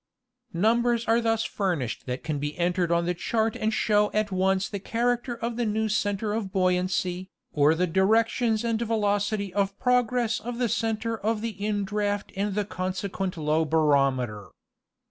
Numbers are thus furnished that can be entered on the chart and show at once the character of the new centre of buoyancy, or the directions and velocity of progress of the cen tre of the indraft and the consequent low barometer.